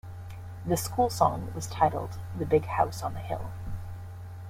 The school song was titled "The Big House on the Hill".